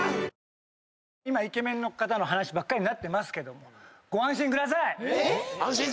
今イケメンの方の話ばっかりになってますけども。